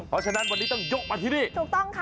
เพราะฉะนั้นวันนี้ต้องยกมาที่นี่ถูกต้องค่ะ